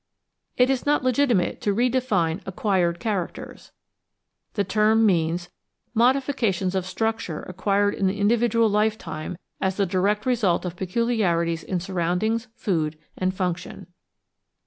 It is not legitimate to re define "acquired characters" ; the term means — ^modifications of structure acquired in the individual lifetime as the direct result of peculiarities in siurroundings, food, and function.